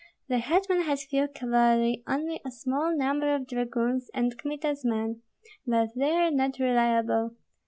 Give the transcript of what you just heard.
The hetman has few cavalry, only a small number of dragoons, and Kmita's men, but they are not reliable.